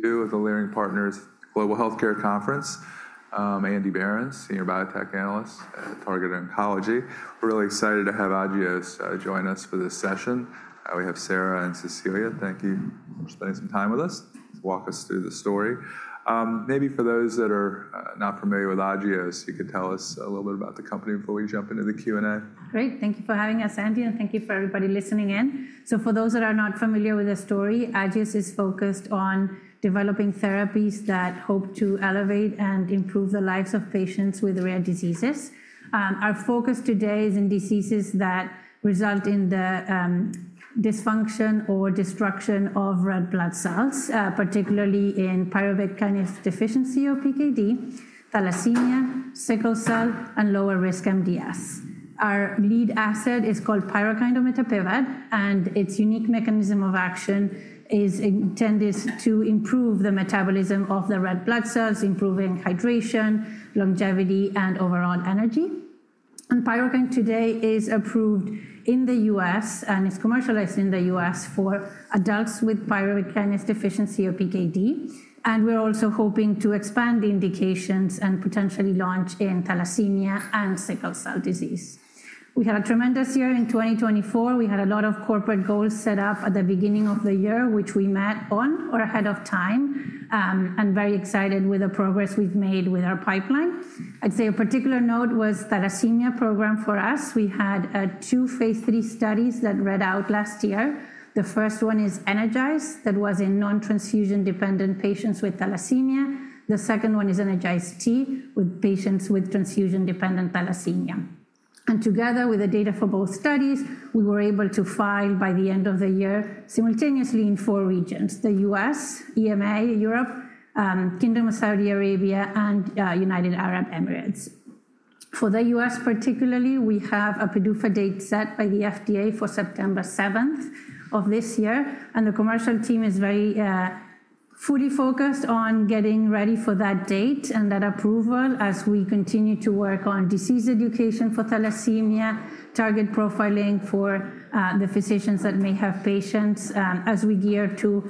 Good morning, everyone. Day two of the Learning Partners Global Healthcare Conference. I'm Andrew Berens, Senior Biotech Analyst at Targeted Oncology. We're really excited to have Agios join us for this session. We have Sarah and Cecilia. Thank you for spending some time with us to walk us through the story. Maybe for those that are not familiar with Agios, you could tell us a little bit about the company before we jump into the Q&A. Great. Thank you for having us, Andy, and thank you for everybody listening in. For those that are not familiar with the story, Agios is focused on developing therapies that hope to elevate and improve the lives of patients with rare diseases. Our focus today is in diseases that result in the dysfunction or destruction of red blood cells, particularly in pyruvate kinase deficiency, or PKD, thalassemia, sickle cell, and lower-risk MDS. Our lead asset is called PYRUKYND, and its unique mechanism of action is intended to improve the metabolism of the red blood cells, improving hydration, longevity, and overall energy. PYRUKYND today is approved in the U.S. and is commercialized in the U.S. for adults with pyruvate kinase deficiency, or PKD. We are also hoping to expand the indications and potentially launch in thalassemia and sickle cell disease. We had a tremendous year in 2024. We had a lot of corporate goals set up at the beginning of the year, which we met on or ahead of time, and very excited with the progress we've made with our pipeline. I'd say a particular note was the thalassemia program for us. We had two phase 3 studies that read out last year. The first one is ENERGIZE that was in non-transfusion dependent patients with thalassemia. The second one is ENERGIZE-T with patients with transfusion dependent thalassemia. Together with the data for both studies, we were able to file by the end of the year simultaneously in four regions: the U.S., EMA, Europe, Kingdom of Saudi Arabia, and United Arab Emirates. For the U.S., particularly, we have a PDUFA date set by the FDA for September 7 of this year. The commercial team is very fully focused on getting ready for that date and that approval as we continue to work on disease education for thalassemia, target profiling for the physicians that may have patients as we gear to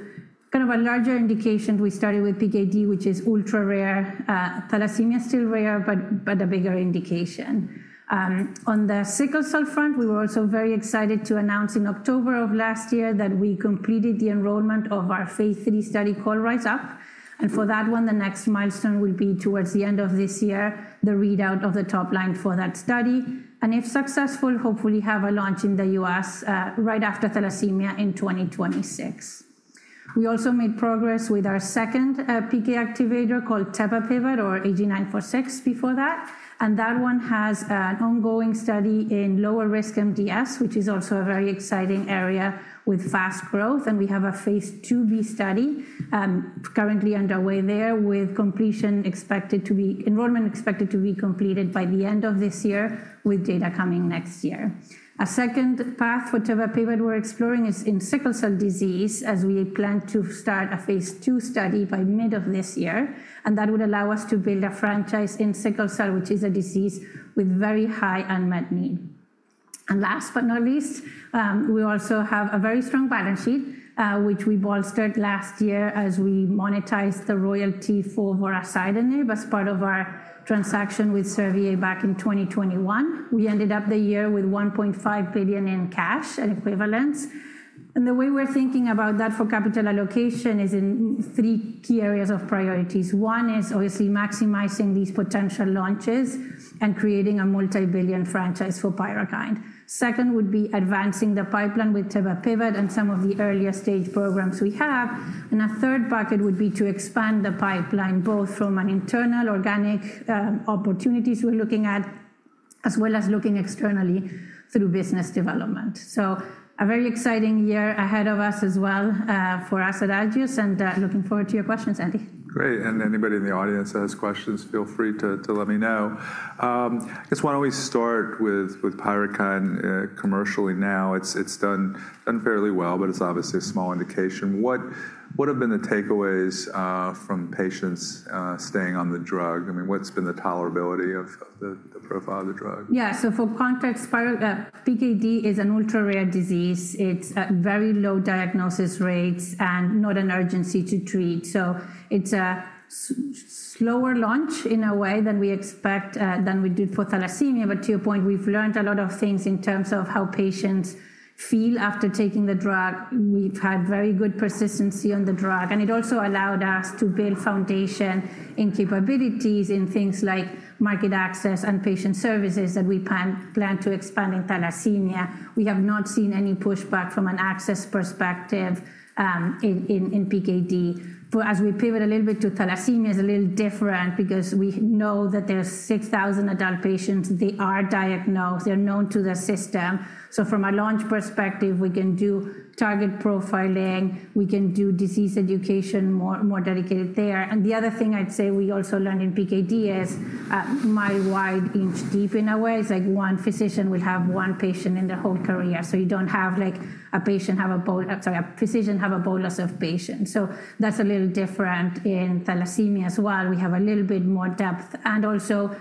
kind of a larger indication. We started with PKD, which is ultra rare. Thalassemia is still rare, but a bigger indication. On the sickle cell front, we were also very excited to announce in October of last year that we completed the enrollment of our phase three study called RISE UP. For that one, the next milestone will be towards the end of this year, the readout of the top line for that study. If successful, hopefully have a launch in the U.S. right after thalassemia in 2026. We also made progress with our second PK activator called AG-946 before that. That one has an ongoing study in lower-risk MDS, which is also a very exciting area with fast growth. We have a phase 2b study currently underway there with enrollment expected to be completed by the end of this year with data coming next year. A second path for AG-946 we are exploring is in sickle cell disease as we plan to start a phase 2 study by mid of this year. That would allow us to build a franchise in sickle cell, which is a disease with very high unmet need. Last but not least, we also have a very strong balance sheet, which we bolstered last year as we monetized the royalty for vorasidenib as part of our transaction with Servier back in 2021. We ended up the year with $1.5 billion in cash and equivalents. The way we're thinking about that for capital allocation is in three key areas of priorities. One is obviously maximizing these potential launches and creating a multi-billion franchise for PYRUKYND. Second would be advancing the pipeline with tebapivat and some of the earlier stage programs we have. A third bucket would be to expand the pipeline both from internal organic opportunities we're looking at as well as looking externally through business development. A very exciting year ahead of us as well for us at Agios and looking forward to your questions, Andy. Great. Anybody in the audience that has questions, feel free to let me know. I guess why don't we start with PYRUKYND commercially now? It's done fairly well, but it's obviously a small indication. What have been the takeaways from patients staying on the drug? I mean, what's been the tolerability of the profile of the drug? Yeah, so for context, PKD is an ultra rare disease. It has very low diagnosis rates and not an urgency to treat. It is a slower launch in a way than we expect than we did for thalassemia. To your point, we've learned a lot of things in terms of how patients feel after taking the drug. We've had very good persistency on the drug. It also allowed us to build foundation in capabilities in things like market access and patient services that we plan to expand in thalassemia. We have not seen any pushback from an access perspective in PKD. As we pivot a little bit to thalassemia, it's a little different because we know that there are 6,000 adult patients. They are diagnosed. They're known to the system. From a launch perspective, we can do target profiling. We can do disease education more dedicated there. The other thing I'd say we also learned in PKD is mile wide inch deep in a way. It's like one physician will have one patient in their whole career. You don't have a physician have a bolus of patients. That's a little different in thalassemia as well. We have a little bit more depth. Also,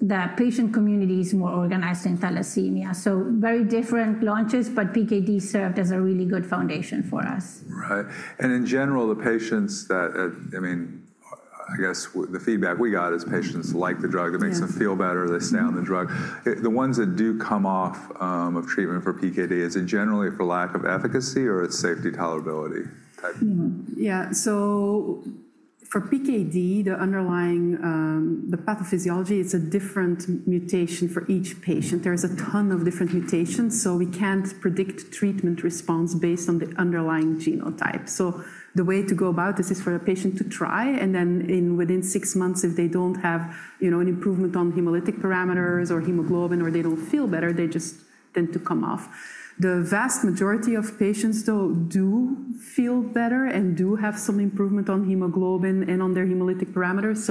the patient community is more organized in thalassemia. Very different launches, but PKD served as a really good foundation for us. Right. In general, the patients that, I mean, I guess the feedback we got is patients like the drug. It makes them feel better. They stay on the drug. The ones that do come off of treatment for PKD, is it generally for lack of efficacy or it's safety tolerability? Yeah. For PKD, the underlying, the pathophysiology, it's a different mutation for each patient. There's a ton of different mutations. We can't predict treatment response based on the underlying genotype. The way to go about this is for a patient to try. Then within six months, if they don't have an improvement on hemolytic parameters or hemoglobin or they don't feel better, they just tend to come off. The vast majority of patients though do feel better and do have some improvement on hemoglobin and on their hemolytic parameters.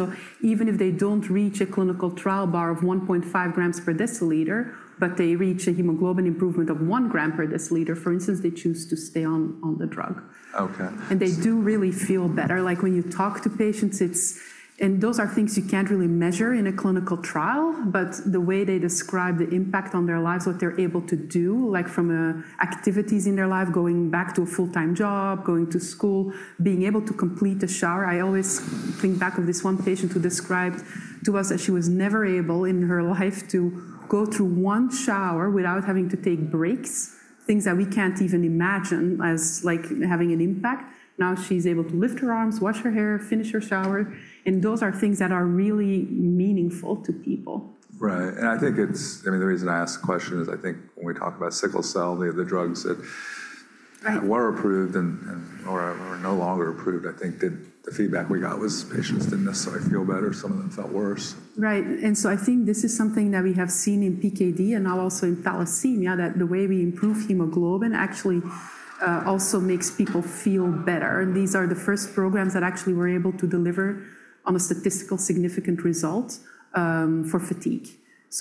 Even if they don't reach a clinical trial bar of 1.5 grams per deciliter, but they reach a hemoglobin improvement of one gram per deciliter, for instance, they choose to stay on the drug. Okay. They do really feel better. Like when you talk to patients, it's, and those are things you can't really measure in a clinical trial, but the way they describe the impact on their lives, what they're able to do, like from activities in their life, going back to a full-time job, going to school, being able to complete a shower. I always think back of this one patient who described to us that she was never able in her life to go through one shower without having to take breaks, things that we can't even imagine as like having an impact. Now she's able to lift her arms, wash her hair, finish her shower. Those are things that are really meaningful to people. Right. I think it's, I mean, the reason I asked the question is I think when we talk about sickle cell, the drugs that were approved and were no longer approved, I think the feedback we got was patients didn't necessarily feel better. Some of them felt worse. Right. I think this is something that we have seen in PKD and now also in thalassemia that the way we improve hemoglobin actually also makes people feel better. These are the first programs that actually were able to deliver on a statistically significant result for fatigue.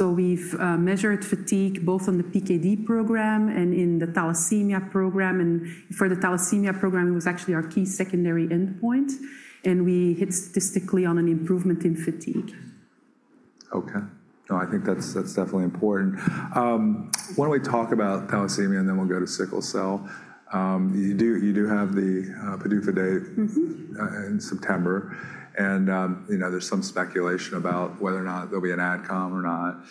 We have measured fatigue both on the PKD program and in the thalassemia program. For the thalassemia program, it was actually our key secondary endpoint. We hit statistically on an improvement in fatigue. Okay. No, I think that's definitely important. Why don't we talk about thalassemia and then we'll go to sickle cell. You do have the PDUFA date in September. There's some speculation about whether or not there'll be an adcom or not.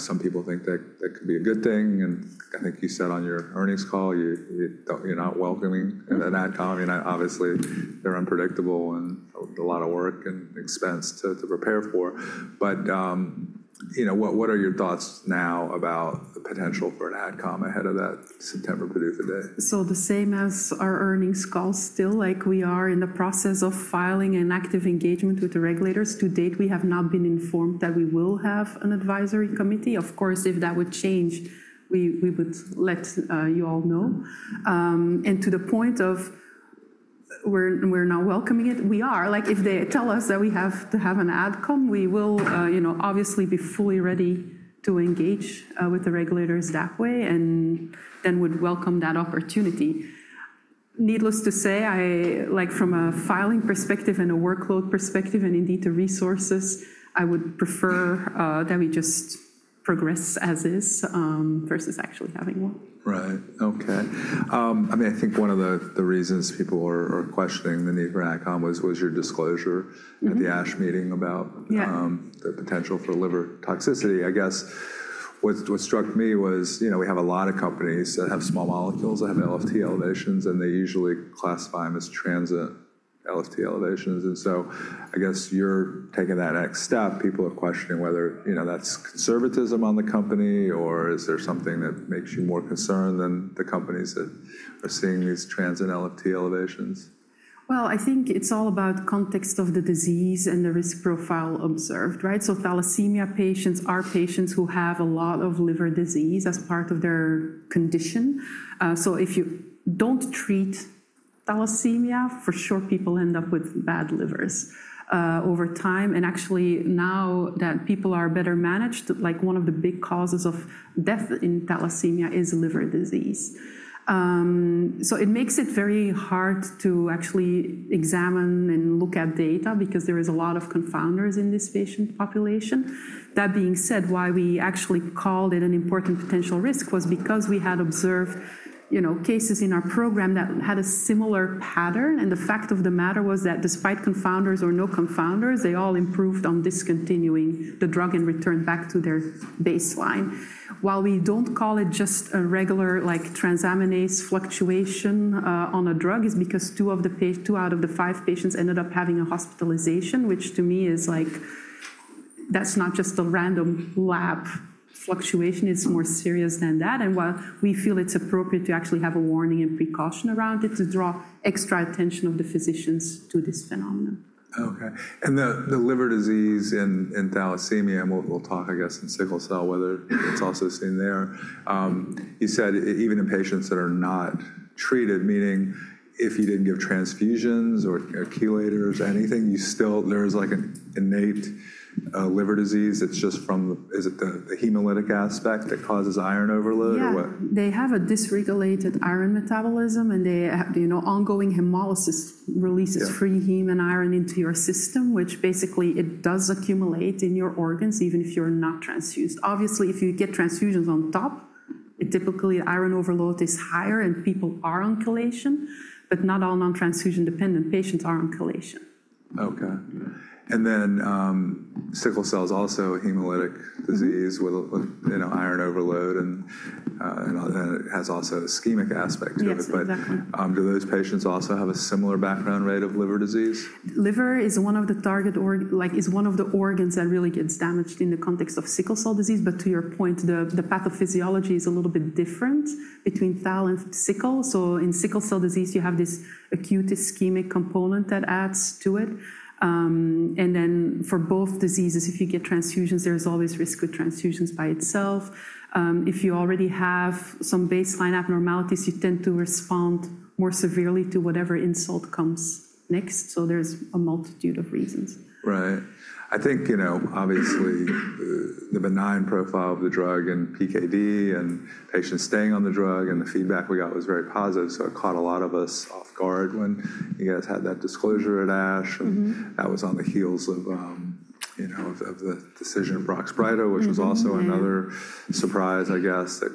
Some people think that could be a good thing. I think you said on your earnings call, you're not welcoming an adcom. I mean, obviously they're unpredictable and a lot of work and expense to prepare for. What are your thoughts now about the potential for an adcom ahead of that September PDUFA date? The same as our earnings call still, like we are in the process of filing an active engagement with the regulators. To date, we have not been informed that we will have an advisory committee. Of course, if that would change, we would let you all know. To the point of we're not welcoming it, we are. Like if they tell us that we have to have an adcom, we will obviously be fully ready to engage with the regulators that way and then would welcome that opportunity. Needless to say, like from a filing perspective and a workload perspective and indeed the resources, I would prefer that we just progress as is versus actually having one. Right. Okay. I mean, I think one of the reasons people are questioning the need for an adcom was your disclosure at the ASH meeting about the potential for liver toxicity. I guess what struck me was we have a lot of companies that have small molecules that have LFT elevations, and they usually classify them as transient LFT elevations. I guess you're taking that next step. People are questioning whether that's conservatism on the company or is there something that makes you more concerned than the companies that are seeing these transient LFT elevations? I think it's all about context of the disease and the risk profile observed, right? Thalassemia patients are patients who have a lot of liver disease as part of their condition. If you don't treat thalassemia, for sure people end up with bad livers over time. Actually, now that people are better managed, one of the big causes of death in thalassemia is liver disease. It makes it very hard to actually examine and look at data because there is a lot of confounders in this patient population. That being said, why we actually called it an important potential risk was because we had observed cases in our program that had a similar pattern. The fact of the matter was that despite confounders or no confounders, they all improved on discontinuing the drug and returned back to their baseline. While we don't call it just a regular transaminase fluctuation on a drug is because two out of the five patients ended up having a hospitalization, which to me is like that's not just a random lab fluctuation. It's more serious than that. While we feel it's appropriate to actually have a warning and precaution around it to draw extra attention of the physicians to this phenomenon. Okay. The liver disease in thalassemia, and we'll talk I guess in sickle cell whether it's also seen there. You said even in patients that are not treated, meaning if you didn't give transfusions or chelators or anything, there's like an innate liver disease. It's just from the, is it the hemolytic aspect that causes iron overload? Yeah. They have a dysregulated iron metabolism and the ongoing hemolysis releases free heme and iron into your system, which basically it does accumulate in your organs even if you're not transfused. Obviously, if you get transfusions on top, typically iron overload is higher and people are on chelation, but not all non-transfusion dependent patients are on chelation. Okay. Sickle cell is also a hemolytic disease with iron overload and it has also an ischemic aspect to it. Do those patients also have a similar background rate of liver disease? Liver is one of the target organs, like is one of the organs that really gets damaged in the context of sickle cell disease. To your point, the pathophysiology is a little bit different between thal and sickle. In sickle cell disease, you have this acute ischemic component that adds to it. For both diseases, if you get transfusions, there's always risk of transfusions by itself. If you already have some baseline abnormalities, you tend to respond more severely to whatever insult comes next. There's a multitude of reasons. Right. I think obviously the benign profile of the drug and PKD and patients staying on the drug and the feedback we got was very positive. It caught a lot of us off guard when you guys had that disclosure at ASH. That was on the heels of the decision of Brox-Brida, which was also another surprise, I guess, that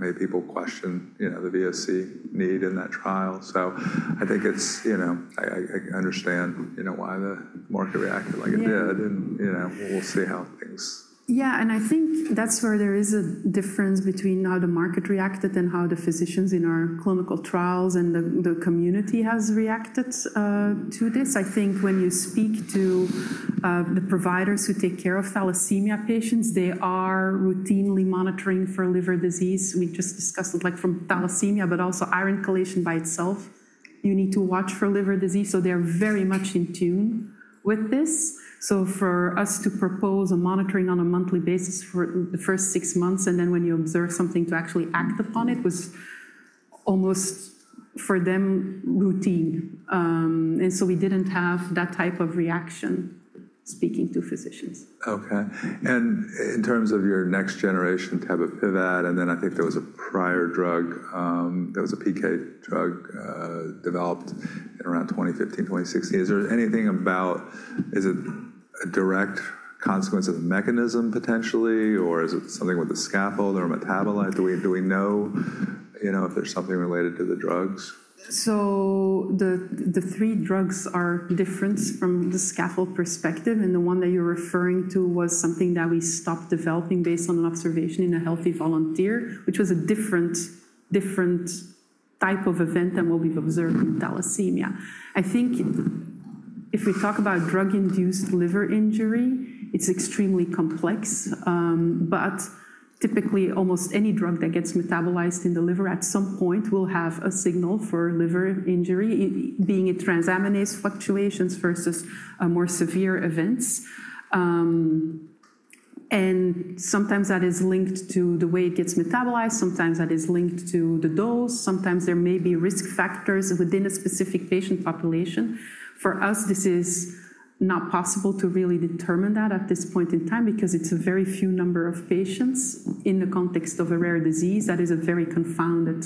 made people question the VOC need in that trial. I think I understand why the market reacted like it did. We'll see how things. Yeah. I think that's where there is a difference between how the market reacted and how the physicians in our clinical trials and the community has reacted to this. I think when you speak to the providers who take care of thalassemia patients, they are routinely monitoring for liver disease. We just discussed it like from thalassemia, but also iron chelation by itself, you need to watch for liver disease. They are very much in tune with this. For us to propose a monitoring on a monthly basis for the first six months and then when you observe something to actually act upon it was almost for them routine. We did not have that type of reaction speaking to physicians. Okay. In terms of your next generation Tsveta Milanova, and then I think there was a prior drug that was a PK drug developed in around 2015, 2016. Is there anything about, is it a direct consequence of the mechanism potentially, or is it something with the scaffold or metabolite? Do we know if there's something related to the drugs? The three drugs are different from the scaffold perspective. The one that you're referring to was something that we stopped developing based on an observation in a healthy volunteer, which was a different type of event than what we've observed in thalassemia. I think if we talk about drug-induced liver injury, it's extremely complex. Typically, almost any drug that gets metabolized in the liver at some point will have a signal for liver injury, being transaminase fluctuations versus more severe events. Sometimes that is linked to the way it gets metabolized. Sometimes that is linked to the dose. Sometimes there may be risk factors within a specific patient population. For us, this is not possible to really determine at this point in time because it's a very few number of patients in the context of a rare disease. That is a very confounded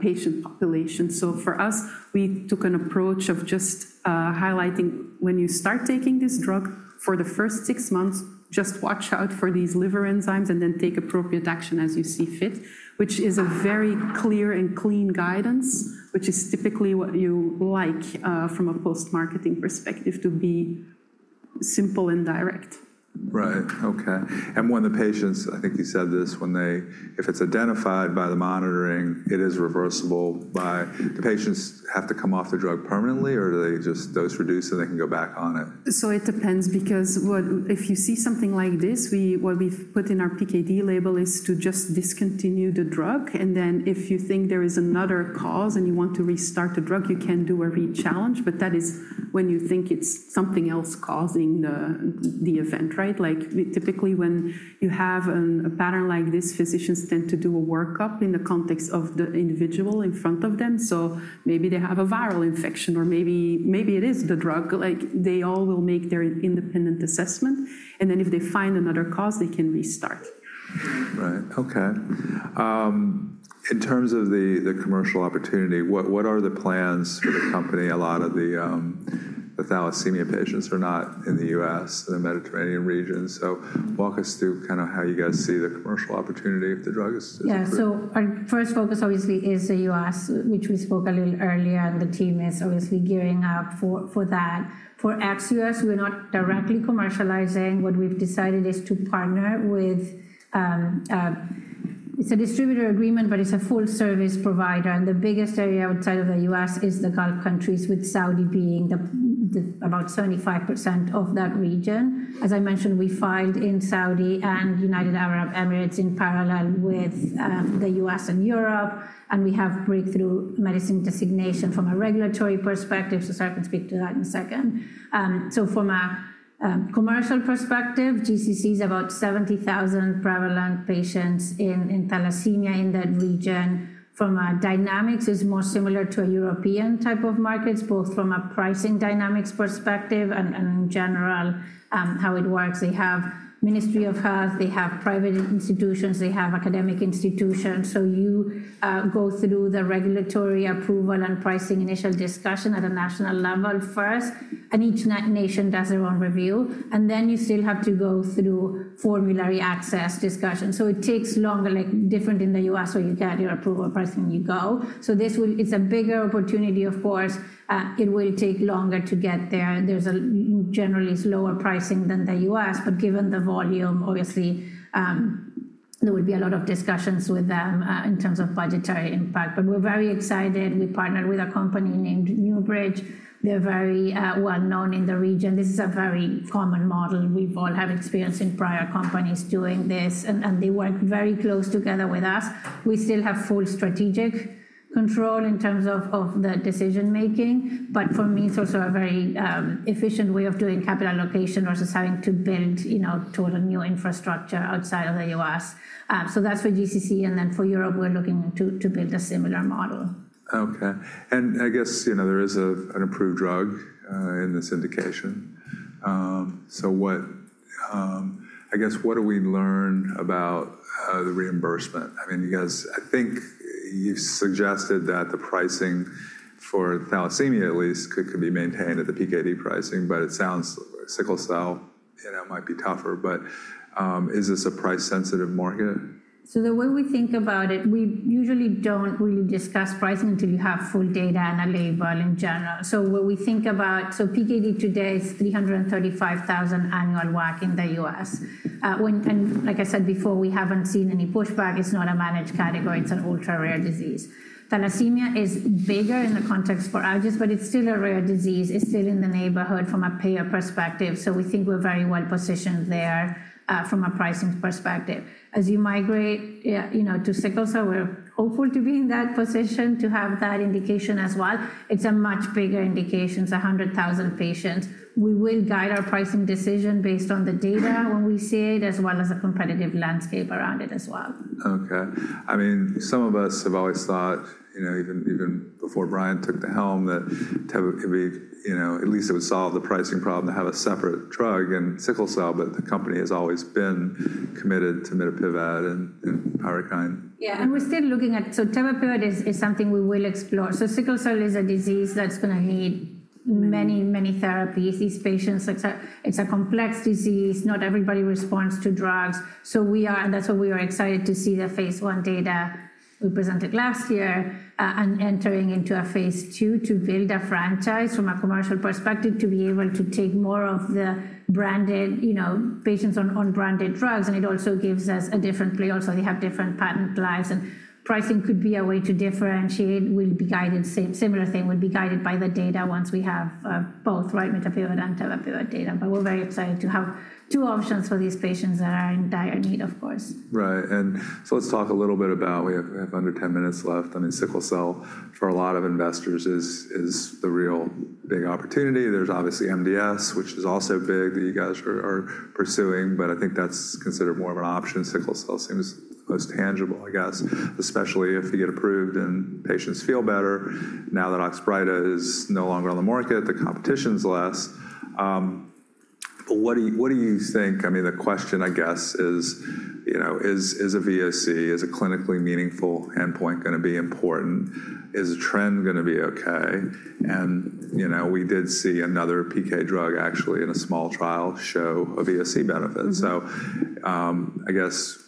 patient population. For us, we took an approach of just highlighting when you start taking this drug for the first six months, just watch out for these liver enzymes and then take appropriate action as you see fit, which is a very clear and clean guidance, which is typically what you like from a post-marketing perspective to be simple and direct. Right. Okay. When the patients, I think you said this, when they, if it's identified by the monitoring, it is reversible. Do the patients have to come off the drug permanently or do they just dose reduce and they can go back on it? It depends because if you see something like this, what we've put in our PKD label is to just discontinue the drug. If you think there is another cause and you want to restart the drug, you can do a rechallenge. That is when you think it's something else causing the event, right? Like typically when you have a pattern like this, physicians tend to do a workup in the context of the individual in front of them. Maybe they have a viral infection or maybe it is the drug. They all will make their independent assessment. If they find another cause, they can restart. Right. Okay. In terms of the commercial opportunity, what are the plans for the company? A lot of the thalassemia patients are not in the U.S. and the Mediterranean region. Walk us through kind of how you guys see the commercial opportunity if the drug is difficult. Yeah. Our first focus obviously is the U.S., which we spoke a little earlier, and the team is obviously gearing up for that. For Agios U.S., we're not directly commercializing. What we've decided is to partner with, it's a distributor agreement, but it's a full-service provider. The biggest area outside of the U.S. is the Gulf countries, with Saudi being about 75% of that region. As I mentioned, we filed in Saudi and United Arab Emirates in parallel with the U.S. and Europe. We have breakthrough medicine designation from a regulatory perspective. I can speak to that in a second. From a commercial perspective, GCC is about 70,000 prevalent patients in thalassemia in that region. From a dynamics, it's more similar to a European type of markets, both from a pricing dynamics perspective and in general how it works. They have Ministry of Health, they have private institutions, they have academic institutions. You go through the regulatory approval and pricing initial discussion at a national level first. Each nation does their own review. You still have to go through formulary access discussion. It takes longer, like different in the U.S. where you get your approval, pricing, and you go. It is a bigger opportunity, of course. It will take longer to get there. There is generally lower pricing than the U.S., but given the volume, obviously there would be a lot of discussions with them in terms of budgetary impact. We are very excited. We partnered with a company named Newbridge. They are very well known in the region. This is a very common model. We have all had experience in prior companies doing this. They work very close together with us. We still have full strategic control in terms of the decision-making. For me, it's also a very efficient way of doing capital allocation versus having to build total new infrastructure outside of the U.S. That's for GCC. For Europe, we're looking to build a similar model. Okay. I guess there is an approved drug in this indication. I guess what do we learn about the reimbursement? I mean, I think you suggested that the pricing for thalassemia at least could be maintained at the PKD pricing, but it sounds sickle cell might be tougher. Is this a price-sensitive market? The way we think about it, we usually don't really discuss pricing until you have full data and a label in general. What we think about, so PKD today is $335,000 annual WAC in the U.S. Like I said before, we haven't seen any pushback. It's not a managed category. It's an ultra-rare disease. Thalassemia is bigger in the context for Agios, but it's still a rare disease. It's still in the neighborhood from a payer perspective. We think we're very well positioned there from a pricing perspective. As you migrate to sickle cell, we're hopeful to be in that position to have that indication as well. It's a much bigger indication. It's 100,000 patients. We will guide our pricing decision based on the data when we see it, as well as a competitive landscape around it as well. Okay. I mean, some of us have always thought, even before Brian took the helm, that at least it would solve the pricing problem to have a separate drug in sickle cell, but the company has always been committed to mitapivat and PYRUKYND. Yeah. We're still looking at, Tsveta Milanova, it's something we will explore. Sickle cell is a disease that's going to need many, many therapies. These patients, it's a complex disease. Not everybody responds to drugs. That's why we are excited to see the phase one data we presented last year and entering into a phase two to build a franchise from a commercial perspective to be able to take more of the branded patients on branded drugs. It also gives us a different play also. They have different patent lives. Pricing could be a way to differentiate. We'll be guided, similar thing, would be guided by the data once we have both AG-946 and Tsveta Milanova. We're very excited to have two options for these patients that are in dire need, of course. Right. Let's talk a little bit about, we have under 10 minutes left. I mean, sickle cell for a lot of investors is the real big opportunity. There's obviously MDS, which is also big that you guys are pursuing, but I think that's considered more of an option. Sickle cell seems most tangible, I guess, especially if you get approved and patients feel better. Now that Oxbrida is no longer on the market, the competition's less. What do you think? I mean, the question I guess is, is a VOC, is a clinically meaningful endpoint going to be important? Is a trend going to be okay? We did see another PK drug actually in a small trial show a VOC benefit. I guess,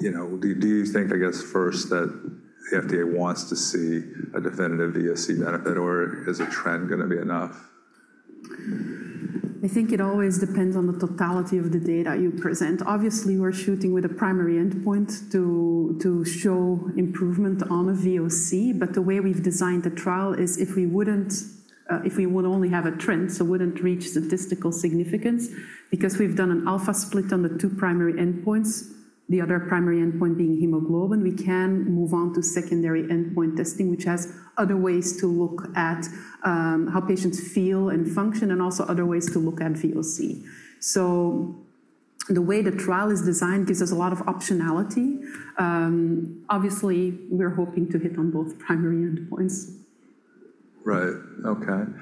do you think, I guess first that the FDA wants to see a definitive VOC benefit or is a trend going to be enough? I think it always depends on the totality of the data you present. Obviously, we're shooting with a primary endpoint to show improvement on a VOC, but the way we've designed the trial is if we wouldn't only have a trend, so wouldn't reach statistical significance, because we've done an alpha split on the two primary endpoints, the other primary endpoint being hemoglobin, we can move on to secondary endpoint testing, which has other ways to look at how patients feel and function and also other ways to look at VOC. The way the trial is designed gives us a lot of optionality. Obviously, we're hoping to hit on both primary endpoints. Right. Okay.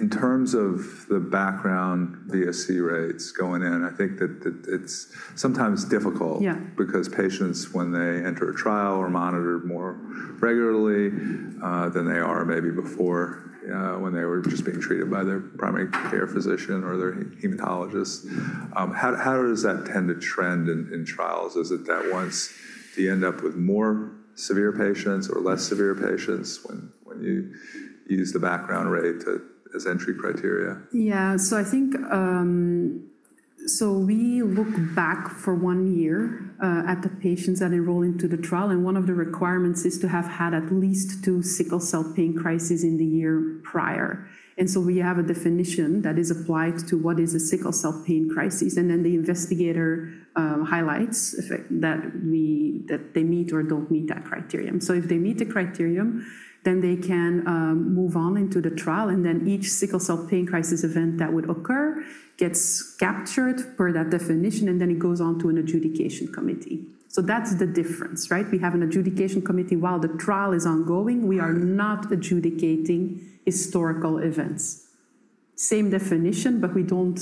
In terms of the background VOC rates going in, I think that it's sometimes difficult because patients when they enter a trial are monitored more regularly than they are maybe before when they were just being treated by their primary care physician or their hematologist. How does that tend to trend in trials? Is it that once you end up with more severe patients or less severe patients when you use the background rate as entry criteria? Yeah. I think we look back for one year at the patients that enroll into the trial. One of the requirements is to have had at least two sickle cell pain crises in the year prior. We have a definition that is applied to what is a sickle cell pain crisis. The investigator highlights that they meet or do not meet that criterion. If they meet the criterion, then they can move on into the trial. Each sickle cell pain crisis event that would occur gets captured per that definition, and it goes on to an adjudication committee. That is the difference, right? We have an adjudication committee while the trial is ongoing. We are not adjudicating historical events. Same definition, but we do not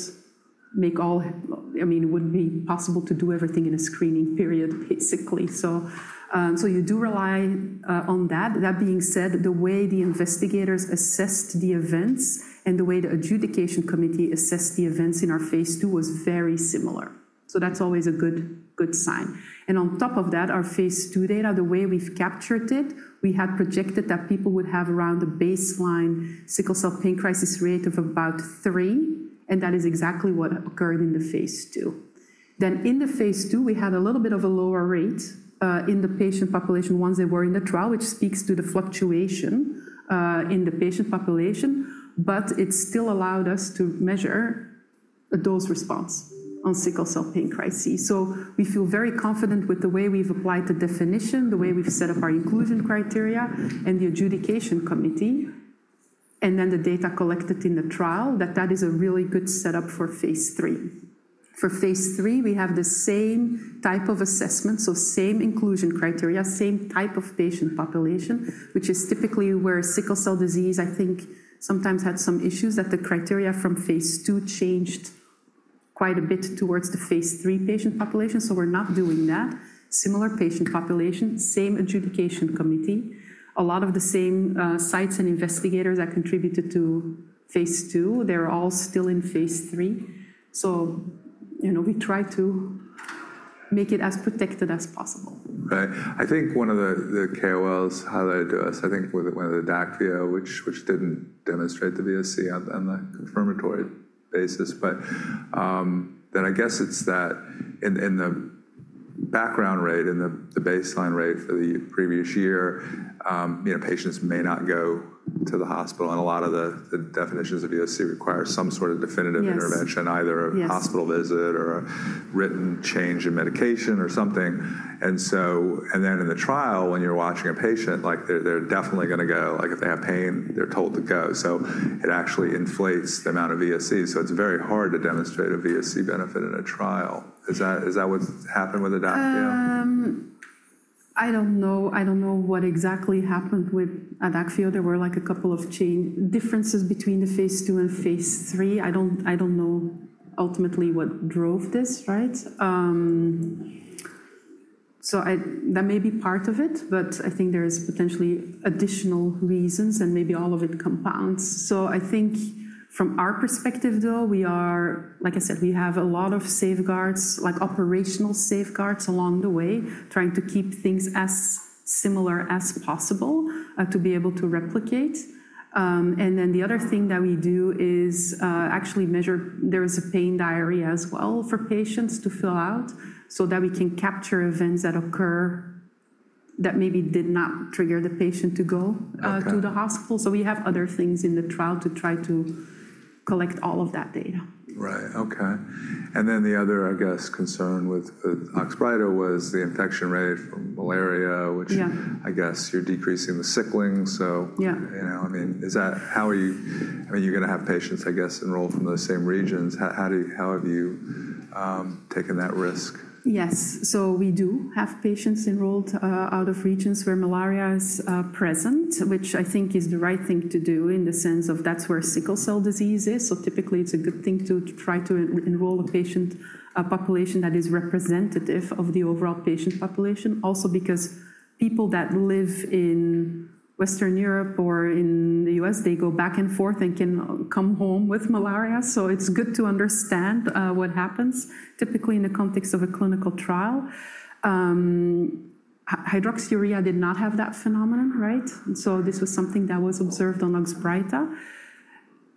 make all, I mean, it would not be possible to do everything in a screening period, basically. You do rely on that. That being said, the way the investigators assessed the events and the way the adjudication committee assessed the events in our phase two was very similar. That is always a good sign. On top of that, our phase two data, the way we have captured it, we had projected that people would have around the baseline sickle cell pain crisis rate of about three. That is exactly what occurred in the phase two. In the phase two, we had a little bit of a lower rate in the patient population once they were in the trial, which speaks to the fluctuation in the patient population, but it still allowed us to measure a dose response on sickle cell pain crises. We feel very confident with the way we've applied the definition, the way we've set up our inclusion criteria and the adjudication committee, and then the data collected in the trial, that that is a really good setup for phase three. For phase three, we have the same type of assessment, so same inclusion criteria, same type of patient population, which is typically where sickle cell disease, I think, sometimes had some issues that the criteria from phase two changed quite a bit towards the phase three patient population. We're not doing that. Similar patient population, same adjudication committee, a lot of the same sites and investigators that contributed to phase two, they're all still in phase three. We try to make it as protected as possible. Right. I think one of the KOLs highlighted to us, I think one of the Dacia, which did not demonstrate the VOC on the confirmatory basis, but I guess it is that in the background rate and the baseline rate for the previous year, patients may not go to the hospital. A lot of the definitions of VOC require some sort of definitive intervention, either a hospital visit or a written change in medication or something. In the trial, when you are watching a patient, like they are definitely going to go, like if they have pain, they are told to go. It actually inflates the amount of VOC. It is very hard to demonstrate a VOC benefit in a trial. Is that what has happened with the Dacia? I don't know. I don't know what exactly happened with Dacia. There were like a couple of differences between the phase two and phase three. I don't know ultimately what drove this, right? That may be part of it, but I think there is potentially additional reasons and maybe all of it compounds. I think from our perspective, though, we are, like I said, we have a lot of safeguards, like operational safeguards along the way, trying to keep things as similar as possible to be able to replicate. The other thing that we do is actually measure, there is a pain diary as well for patients to fill out so that we can capture events that occur that maybe did not trigger the patient to go to the hospital. We have other things in the trial to try to collect all of that data. Right. Okay. The other, I guess, concern with Oxbrida was the infection rate from malaria, which I guess you're decreasing the sickling. I mean, how are you, I mean, you're going to have patients, I guess, enrolled from those same regions. How have you taken that risk? Yes. We do have patients enrolled out of regions where malaria is present, which I think is the right thing to do in the sense of that's where sickle cell disease is. Typically, it's a good thing to try to enroll a patient population that is representative of the overall patient population. Also, because people that live in Western Europe or in the U.S., they go back and forth and can come home with malaria. It's good to understand what happens typically in the context of a clinical trial. Hydroxyurea did not have that phenomenon, right? This was something that was observed on Oxbrida.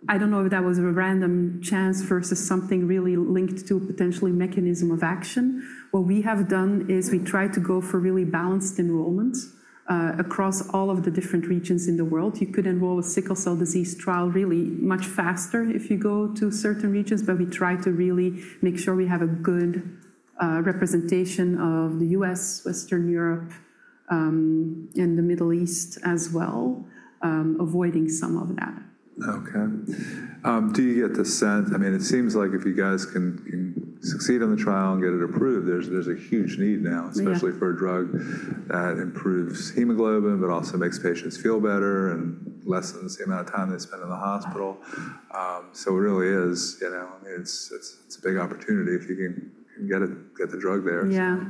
I don't know if that was a random chance versus something really linked to potentially mechanism of action. What we have done is we try to go for really balanced enrollment across all of the different regions in the world. You could enroll a sickle cell disease trial really much faster if you go to certain regions, but we try to really make sure we have a good representation of the U.S., Western Europe, and the Middle East as well, avoiding some of that. Okay. Do you get the sense? I mean, it seems like if you guys can succeed in the trial and get it approved, there's a huge need now, especially for a drug that improves hemoglobin, but also makes patients feel better and lessens the amount of time they spend in the hospital. It really is, it's a big opportunity if you can get the drug there. Yeah.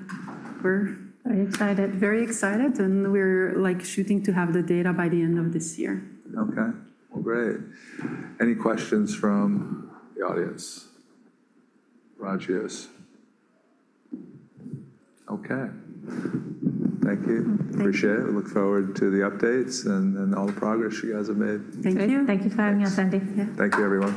We're very excited, very excited. We're like shooting to have the data by the end of this year. Okay. Great. Any questions from the audience? Rogios. Okay. Thank you. Appreciate it. Look forward to the updates and all the progress you guys have made. Thank you. Thank you for having us, Andy. Thank you, everyone.